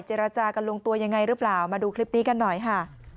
เจรจากันลงตัวยังไงหรือเปล่ามาดูคลิปนี้กันหน่อยค่ะ